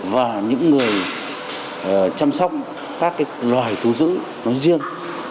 và những người chăm sóc các loài thú dữ nói riêng